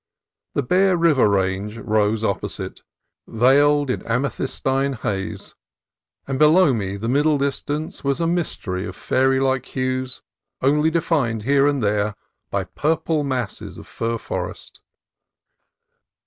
The Bear River Range rose opposite, veiled in amethystine haze, and be low me the middle distance was a mystery of fairy like hues, only denned here and there by purple masses of fir forest.